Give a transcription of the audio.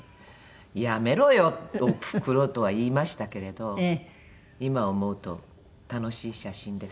「やめろよおふくろ」とは言いましたけれど今思うと楽しい写真です。